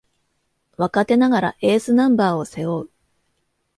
若手ながらエースナンバーを背負う